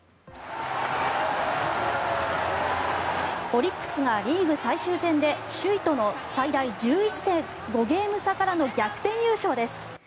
オリックスがリーグ最終戦で首位との最大１１．５ゲーム差からの逆転優勝です。